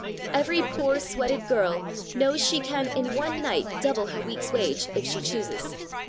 Every poor sweated girl knows she can in one night double her week's wage if she chooses.